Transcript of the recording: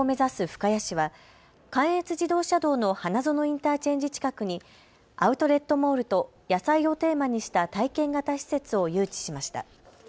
深谷市は関越自動車道の花園インターチェンジ近くにアウトレットモールと野菜をテーマにした体験型施設を誘致しました。